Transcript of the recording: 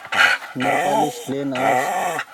نوپآليس لين آس ۔